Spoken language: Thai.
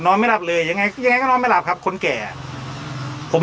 ไม่หลับเลยยังไงยังไงก็นอนไม่หลับครับคนแก่ผม